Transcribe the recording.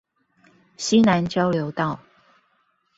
溪南交流道